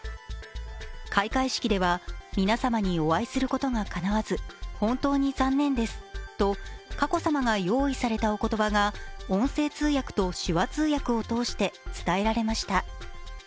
開会式では皆様にお会いすることがかなわず、本当に残念ですと佳子さまが用意されたお言葉が音声通訳と手話通訳を通して伝えられました。